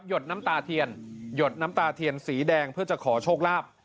ดน้ำตาเทียนหยดน้ำตาเทียนสีแดงเพื่อจะขอโชคลาภ